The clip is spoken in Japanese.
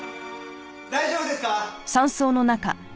大丈夫ですか？